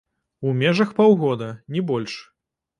У межах паўгода, не больш.